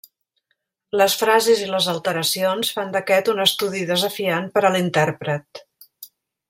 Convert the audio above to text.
Les frases i les alteracions fan d'aquest un estudi desafiant per a l'intèrpret.